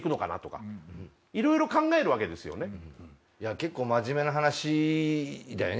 結構真面目な話だよね